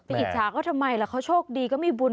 อิจฉาเขาทำไมล่ะเขาโชคดีก็มีบุญ